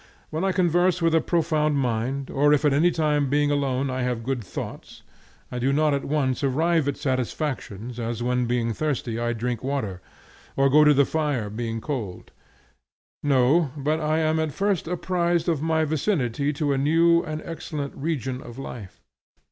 When I converse with a profound mind, or if at any time being alone I have good thoughts, I do not at once arrive at satisfactions, as when, being thirsty, I drink water; or go to the fire, being cold; no! but I am at first apprised of my vicinity to a new and excellent region of life.